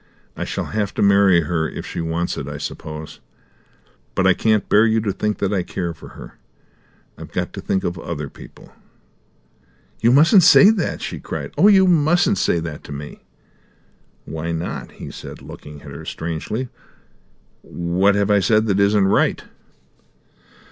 "I shall have to marry her, if she wants it, I suppose. But I can't bear you to think that I care for her. I've got to think of other people." "You mustn't say that!" she cried. "Oh, you mustn't say that to me!" "Why not?" he said, looking at her strangely. "What have I said that isn't right?"